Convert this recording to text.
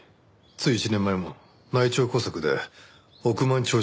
つい１年前も内調工作で億万長者が殺された。